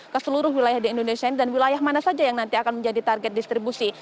ke seluruh wilayah di indonesia ini dan wilayah mana saja yang nanti akan menjadi target distribusi